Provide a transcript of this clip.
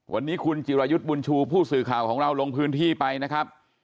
วันนี้คุณจิรายุทธ์บุญชูผู้สื่อข่าวของเราลงพื้นที่ไปนะครับ